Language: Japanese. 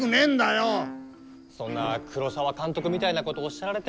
そんな黒澤監督みたいなことおっしゃられても。